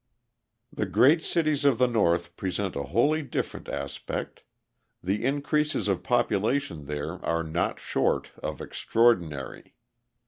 The great cities of the North present a wholly different aspect; the increases of population there are not short of extraordinary.